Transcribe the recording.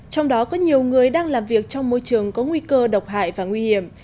trong đó có nhiều người đang làm việc trong môi trường có nguy cơ độc hại và nguy hiểm